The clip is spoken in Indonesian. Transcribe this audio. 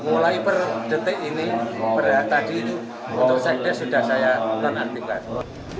mulai per detik ini berat tadi itu untuk sekdes sudah saya nonaktifkan